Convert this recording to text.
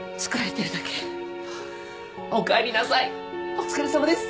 お疲れさまです！